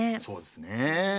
そうですね。